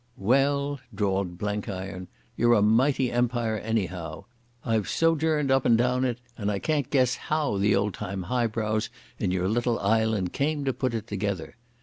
"Well," drawled Blenkiron, you're a mighty Empire anyhow. I've sojourned up and down it and I can't guess how the old time highbrows in your little island came to put it together.